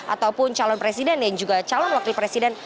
ataupun calon presiden dan juga calon wakil presiden